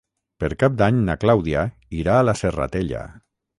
Per Cap d'Any na Clàudia irà a la Serratella.